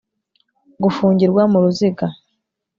Gufungirwa muruziga